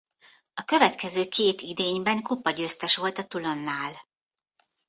A következő két idényben kupagyőztes volt a Toulonnal.